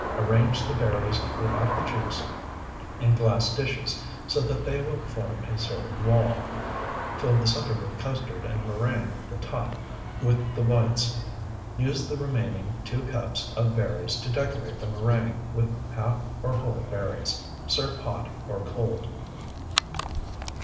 Arrange the berries without the juice in glass dishes, so that they will form a sort of wall. Fill the center with custard and meringue the top with the whites. Use the remaining two cups of berries to decorate the meringue with half or whole berries. Serve hot or cold.